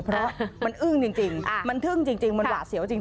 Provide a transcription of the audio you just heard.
เพราะมันอึ้งจริงมันเทิงจริงว่าเสียวจริง